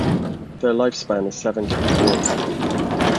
Their lifespan is seven to eight years.